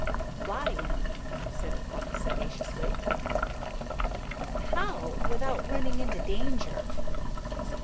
"Fly in," said Puck sagaciously. "But how, without running into danger?"